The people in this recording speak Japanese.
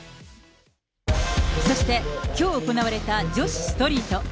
そして、きょう行われた女子ストリート。